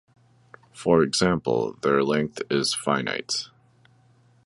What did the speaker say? For example, their length is finite.